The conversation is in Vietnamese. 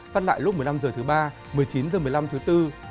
phát lại lúc một mươi năm h thứ ba một mươi chín h một mươi năm h thứ bốn